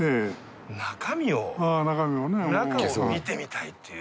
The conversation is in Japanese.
中身を見てみたいっていう。